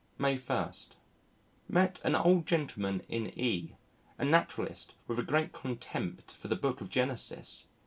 May 1. Met an old gentleman in E , a naturalist with a great contempt for the Book of Genesis.